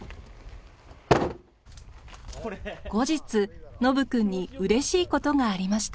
後日ノブくんにうれしいことがありました。